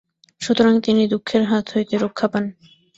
সুতরাং তিনি দুঃখের হাত হইতে রক্ষা পান।